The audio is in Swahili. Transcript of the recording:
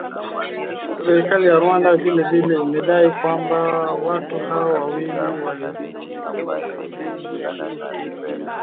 Serikali ya Rwanda vile vile imedai kwamba watu hao wawili waliasilishwa na jeshi la Jamuhuri ya Demokrasia ya Kongo kwa waandishi wa habari